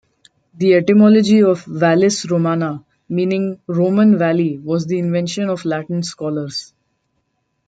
The etymology of "Vallis Romana" meaning "Roman valley" was the invention of Latin scholars.